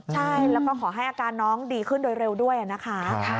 ใช่แล้วก็ขอให้อาการน้องดีขึ้นโดยเร็วด้วยนะคะ